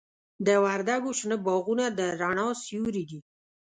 د وردګو شنه باغونه د رڼا سیوري دي.